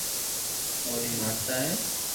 اوري ماتا ھي